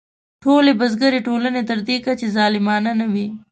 ټولې بزګري ټولنې تر دې کچې ظالمانه نه وې.